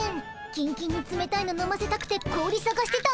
キンキンにつめたいの飲ませたくて氷さがしてた。